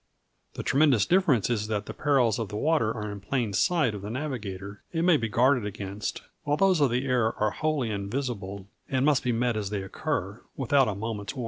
The tremendous difference is that the perils of the water are in plain sight of the navigator, and may be guarded against, while those of the air are wholly invisible, and must be met as they occur, without a moment's warning.